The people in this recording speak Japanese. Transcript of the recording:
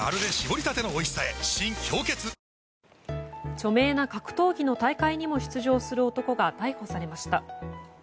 著名な格闘技の大会にも出場する男が逮捕されました。